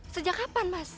sejak kapan mas